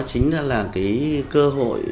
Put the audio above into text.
chính là là cái cơ hội